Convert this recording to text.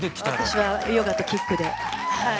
私はヨガとキックではい。